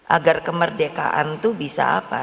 agar kemerdekaan itu bisa apa